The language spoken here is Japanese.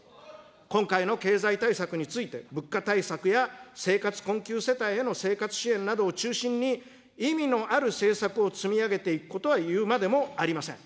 今回の経済対策について、物価対策や生活困窮世帯への生活支援などを中心に、意味のある政策を積み上げていくことは言うまでもありません。